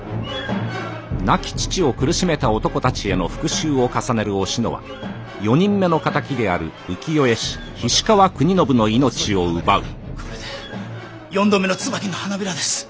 亡き父を苦しめた男達への復讐を重ねるおしのは４人目の仇である浮世絵師菱川国宣の命を奪うこれで４度目の椿の花びらです。